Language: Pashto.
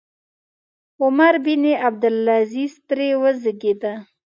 عمر بن عبدالعزیز ترې وزېږېد.